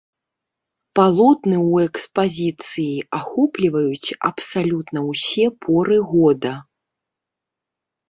Палотны ў экспазіцыі ахопліваюць абсалютна ўсе поры года.